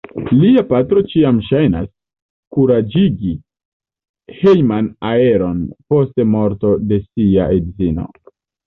Lia patro ĉiam ŝajnas kuraĝigi hejman aeron post morto de sia edzino.